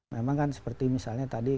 memang kan seperti misalnya tadi